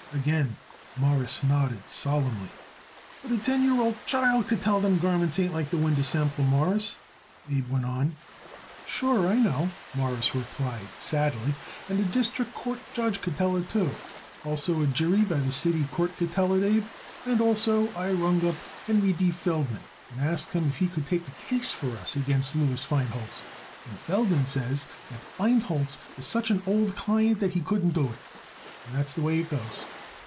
Again Morris nodded solemnly. "But a ten year old child could tell that them garments ain't like that winder sample, Mawruss," Abe went on. "Sure I know," Morris replied sadly, "and a district court judge could tell it, too. Also, a jury by the city court could tell it, Abe; and also, I rung up Henry D. Feldman and asked him if he could take a case for us against Louis Feinholz, and Feldman says that Feinholz is such an old client that he couldn't do it. And that's the way it goes."